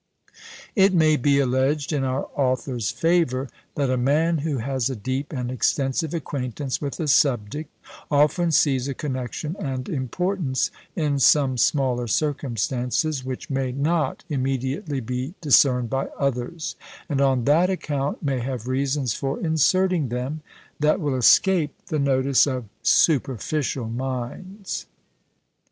"It may be alleged in our author's favour, that a man who has a deep and extensive acquaintance with a subject, often sees a connexion and importance in some smaller circumstances, which may not immediately be discerned by others; and, on that account, may have reasons for inserting them, that will escape the notice of superficial minds."